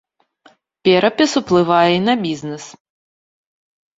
Перапіс уплывае і на бізнес.